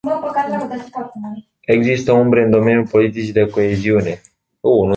Există umbre în domeniul politicii de coeziune.